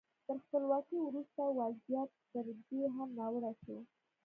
تر خپلواکۍ وروسته وضعیت تر دې هم ناوړه شو.